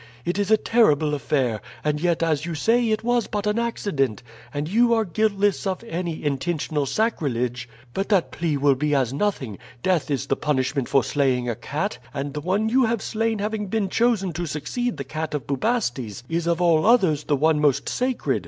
It is a terrible affair; and yet, as you say, it was but an accident, and you are guiltless of any intentional sacrilege. But that plea will be as nothing. Death is the punishment for slaying a cat; and the one you have slain having been chosen to succeed the cat of Bubastes is of all others the one most sacred.